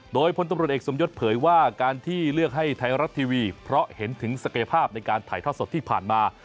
โดยพลตำรวจเอกสมยศเผยว่าการที่เลือกให้ไทยรัฐทีวีเพราะเห็นถึงศักยภาพในการถ่ายทอดสดที่ผ่านมา